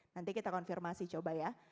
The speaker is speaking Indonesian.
nanti kita konfirmasi coba ya